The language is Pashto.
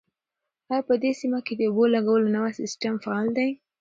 آیا په دې سیمه کې د اوبو لګولو نوی سیستم فعال دی؟